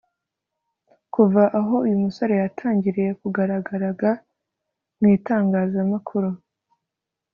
Kuva aho uyu musore yatangiriye kugaragaraga mu itangazamakuru